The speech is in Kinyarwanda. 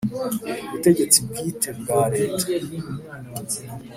butegetsi bwite bwa Leta